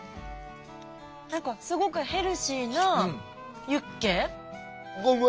何かすごくヘルシーなユッケ。